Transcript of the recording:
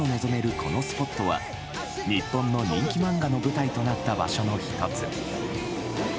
このスポットは日本の人気漫画の舞台となった場所の１つ。